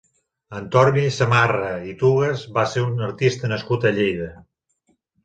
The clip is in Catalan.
Antoni Samarra i Tugues va ser un artista nascut a Lleida.